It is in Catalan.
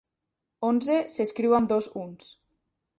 Onze s'escriu amb dos uns.